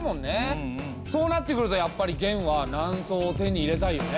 そうなってくるとやっぱり元は南宋を手に入れたいよね。